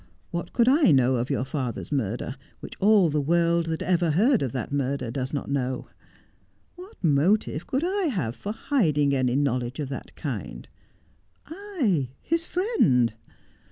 What could I know of your father's murder which all the world that ever heard of that murder does not know ? "What motive could I have for hiding any knowledge of that kind 1 I, his friend